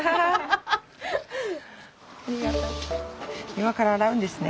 今から洗うんですね。